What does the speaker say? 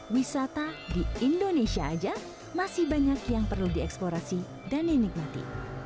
wisata di indonesia aja masih banyak yang perlu dieksplorasi dan dinikmati